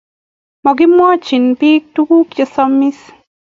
mokimwochi pik tukuk che samis